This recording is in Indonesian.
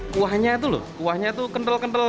kuahnya itu loh kuahnya tuh kental kental